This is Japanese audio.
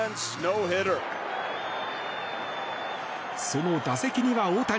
その打席には大谷。